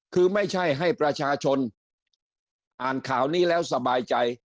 คือไม่ใช่ให้ประชาชนอ่านข่าวนี้แล้วสบายใจ